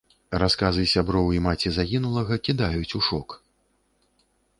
Расказы сяброў і маці загінулага кідаюць у шок.